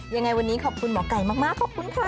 ยังไงวันนี้ขอบคุณหมอไก่มากขอบคุณค่ะ